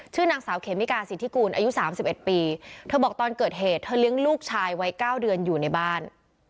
นางสาวเขมิกาสิทธิกูลอายุ๓๑ปีเธอบอกตอนเกิดเหตุเธอเลี้ยงลูกชายวัย๙เดือนอยู่ในบ้าน